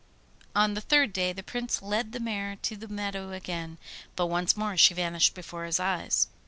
On the third day the Prince led the mare to the meadow again; but once more she vanished before his eyes.